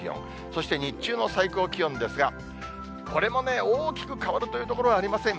そして日中の最高気温ですが、これも大きく変わるという所はありません。